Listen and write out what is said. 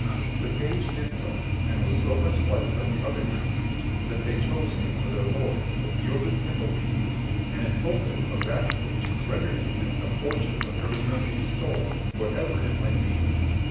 The page did so, and was so much liked by the other gipsies, that they chose him for their lord, yielded him obedience, and in token of vassalage rendered to him a portion of everything they stole, whatever it might be.